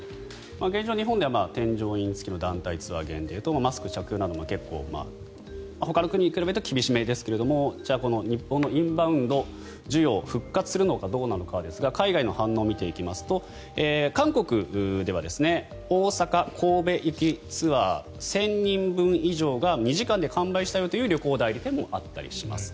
現状、日本では添乗員付きの団体ツアー限定とマスク着用義務とほかの国に比べると厳しめかもしれないですが日本のインバウンド需要復活するのかどうなのかですが海外の反応を見ていきますと韓国では大阪・神戸行きツアー１０００人分以上が２時間で完売したという旅行代理店もあったりします。